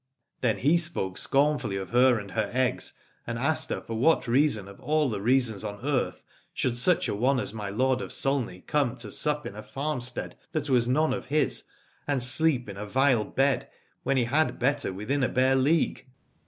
Then he spoke scornfully of her and her eggs, and he asked her for what reason of all the reasons on earth should such a one as my lord of Sulney come to sup in a farm stead that was none of his, and sleep in a vile bed, when he had better within a bare league.